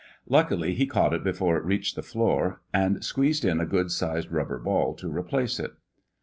Luckily he caught it before it reached the floor, and squeezed in a good sized rubber ball to replace it.